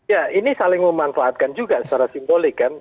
ya ini saling memanfaatkan juga secara simbolik kan